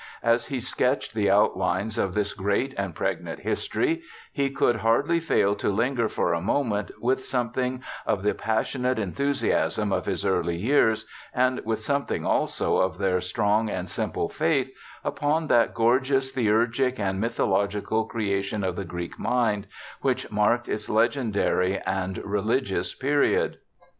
As he sketched the outlines of this great and pregnant history, he could hardly fail to linger for a moment, with something of the passionate enthusiasm of his early years, and with some thing also of their strong and simple faith, upon that gorgeous theurgic and mythological creation of the Greek mind, which ELISHA BARTLETT 157 marked its legendary and religious period.